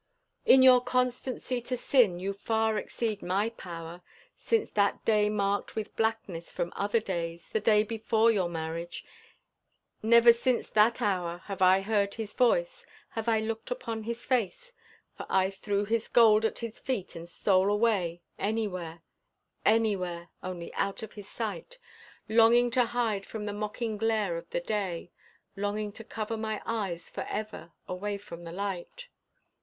In your constancy to sin you far exceed my power, Since that day marked with blackness from other days The day before your marriage never since that hour Have I heard his voice, have I looked upon his face; For I threw his gold at his feet and stole away Anywhere anywhere only out of his sight, Longing to hide from the mocking glare of the day, Longing to cover my eyes forever away from the light.